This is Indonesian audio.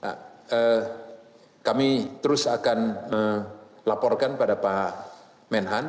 nah kami terus akan melaporkan pada pak menhan